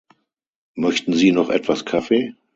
Möchten Sie noch etwas Kaffee?